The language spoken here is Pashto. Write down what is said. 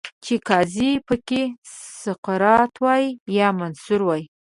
چې قاضي پکې سقراط وای، یا منصور وای